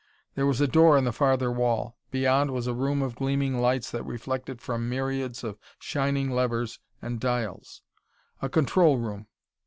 There was a door in the farther wall; beyond was a room of gleaming lights that reflected from myriads of shining levers and dials. A control room.